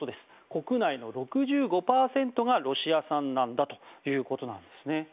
国内の６５％がロシア産なんだということです。